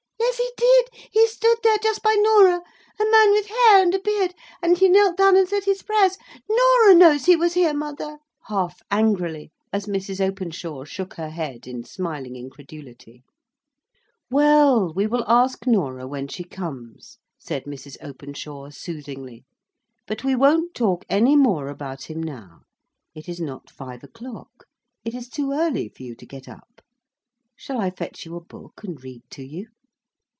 "Yes, he did. He stood there. Just by Norah. A man with hair and a beard. And he knelt down and said his prayers. Norah knows he was here, mother" (half angrily, as Mrs. Openshaw shook her head in smiling incredulity). "Well! we will ask Norah when she comes," said Mrs. Openshaw, soothingly. "But we won't talk any more about him now. It is not five o'clock; it is too early for you to get up. Shall I fetch you a book and read to you?"